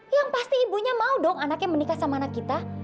yang pasti ibunya mau dong anaknya menikah sama anak kita